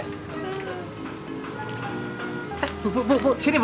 eh bu bu bu bu sini bu